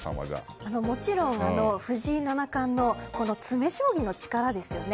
もちろん、藤井七冠の詰将棋の力ですね。